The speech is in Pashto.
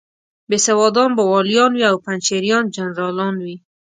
بېسوادان به والیان وي او پنجشیریان جنرالان وي.